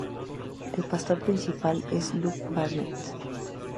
El pastor principal es Luke Barnett.